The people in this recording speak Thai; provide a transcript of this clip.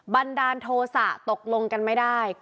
บันดาลโทษะตกลงกันไม่ได้